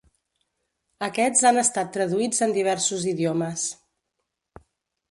Aquests han estat traduïts en diversos idiomes.